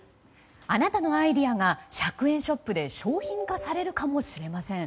あなたのアイディアが１００ショップで商品化されるかもしれません。